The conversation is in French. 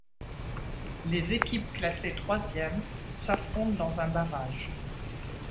Les équipes classées troisièmes s'affrontent dans un barrage.